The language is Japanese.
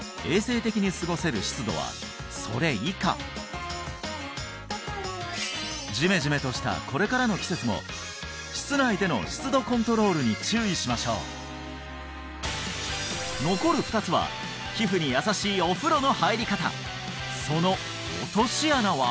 またじめじめとしたこれからの季節も室内での湿度コントロールに注意しましょう残る２つは皮膚に優しいお風呂の入り方その落とし穴は？